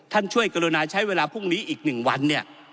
ท่านช่วยกรุณาใช้เวลาพรุ่งนี้อีก๑วันเนี่ย